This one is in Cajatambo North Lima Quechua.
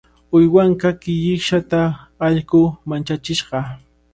Uywanqaa killikshata allqu manchachishqa.